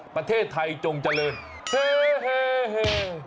ประเทศไทยจงเจริญเฮเฮ